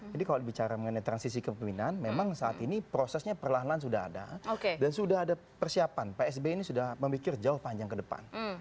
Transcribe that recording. jadi kalau bicara mengenai transisi ke pembinaan memang saat ini prosesnya perlahan lahan sudah ada dan sudah ada persiapan pak sby ini sudah memikir jauh panjang ke depan